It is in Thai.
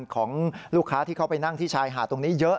ของลูกค้าที่เขาไปนั่งที่ชายหาดตรงนี้เยอะ